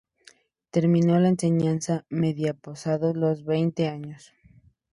Terminó la enseñanza media pasados los veinte años.